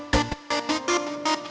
suara siapa tuh